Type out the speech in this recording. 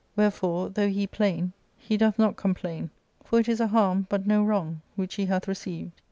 Whereof, though he plain, he doth not complain ; for it is a harm, but no wrong, which he hath received.